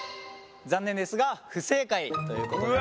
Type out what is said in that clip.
残念ですが不正解ということで。